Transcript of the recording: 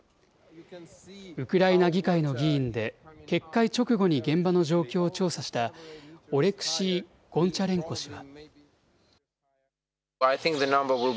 ウクライナ議会の議員で、決壊直後に現場の状況を調査したオレクシー・ゴンチャレンコ氏は。